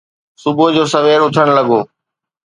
صبح جو سوير اٿڻ لڳو